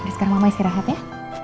sekarang mama isi rahat ya